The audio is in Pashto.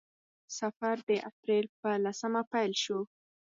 سفر د اپریل په لسمه پیل شو.